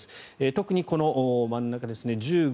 特にこの真ん中、１５日